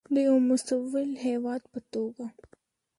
د یو مسوول هیواد په توګه.